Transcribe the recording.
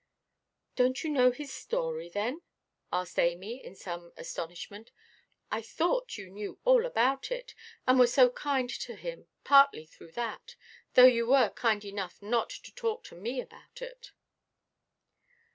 '" "Donʼt you know his story, then?" asked Amy, in some astonishment. "I thought you knew all about it, and were so kind to him partly through that, though you were kind enough not to talk to me about it."